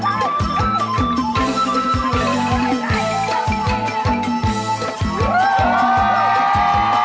อันนี้คือพูดได้แล้วชื่อนี้อ่ะค่ะ